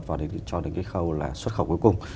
và cho đến cái khâu là xuất khẩu cuối cùng